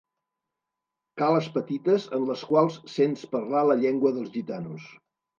Cales petites en les quals sents parlar la llengua dels gitanos.